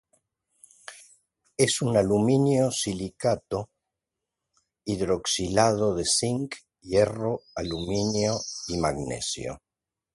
Es un alumino-silicato hidroxilado de cinc, hierro, aluminio y magnesio.